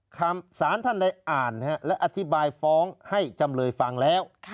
สารท่านได้อ่านและอธิบายฟ้องให้จำเลยฟังแล้ว